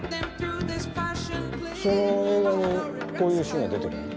その映画にこういうシーンが出てくるの？